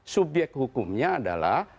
subyek hukumnya adalah